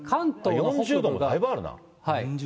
４０度もだいぶあるな。